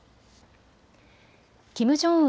キム・ジョンウン